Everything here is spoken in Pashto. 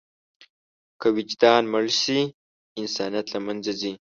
که وجدان مړ شي، انسانیت له منځه ځي.